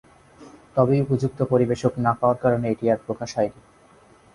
তবে উপযুক্ত পরিবেশক না পাওয়ার কারণে এটি আর প্রকাশ হয়নি।